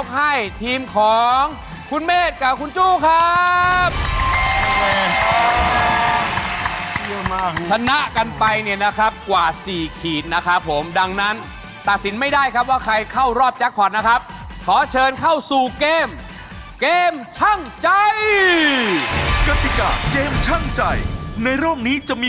ดีมากดีมากเอาออกไปเอาออกไป